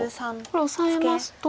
これオサえますと。